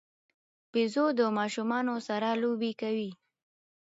بيزو د ماشومانو سره لوبې کوي.